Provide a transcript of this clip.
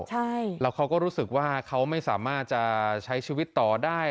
ใช่แล้วเขาก็รู้สึกว่าเขาไม่สามารถจะใช้ชีวิตต่อได้